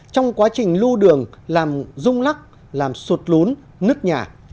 trong quá trình lưu đường làm rung lắc làm sụt lún nứt nhà